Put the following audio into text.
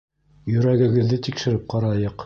Йөрәгегеҙҙе тикшереп ҡарайыҡ